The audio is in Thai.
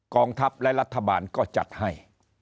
กองทัพและรัฐบาลก็จัดให้